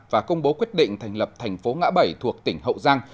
và công bố quyết định thành lập thành phố ngã bảy thuộc tỉnh hậu giang